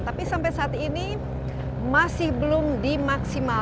tapi sampai saat ini masih belum dimaksimalkan